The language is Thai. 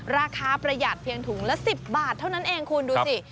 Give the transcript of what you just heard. ประหยัดเพียงถุงละ๑๐บาทเท่านั้นเองคุณดูสิ